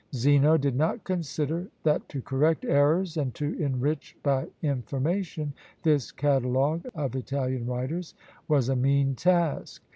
Zeno did not consider that to correct errors and to enrich by information this catalogue of Italian writers was a mean task.